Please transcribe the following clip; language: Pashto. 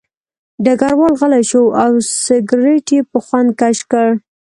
ډګروال غلی شو او سګرټ یې په خوند کش کړ